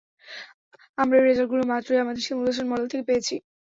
আমরা এই রেজাল্টগুলো মাত্রই আমাদের সিমুলেশন মডেল থেকে পেয়েছি!